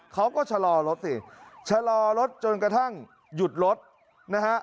เขาก็ชะลอรถสิชะลอรถจนกระทั่งหยุดรถนะฮะ